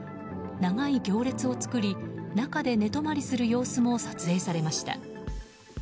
長い行列を作り中で寝泊まりする様子も撮影されました。